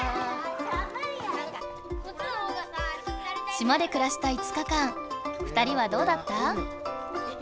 島でくらした５日間２人はどうだった？